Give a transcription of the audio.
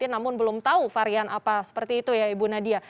namun belum tahu varian apa seperti itu ya ibu nadia